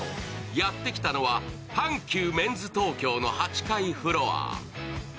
やって来たのは阪急メンズ東京の８階フロア。